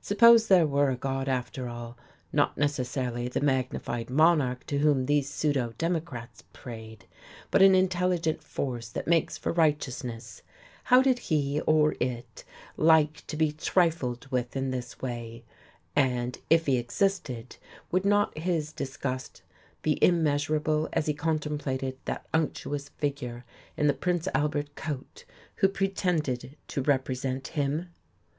Suppose there were a God after all? not necessarily the magnified monarch to whom these pseudo democrats prayed, but an Intelligent Force that makes for righteousness. How did He, or It, like to be trifled with in this way? And, if He existed, would not His disgust be immeasurable as He contemplated that unctuous figure in the "Prince Albert" coat, who pretended to represent Him?